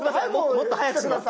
もっと早くします！